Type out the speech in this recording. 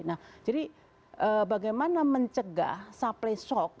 nah jadi bagaimana mencegah supply shock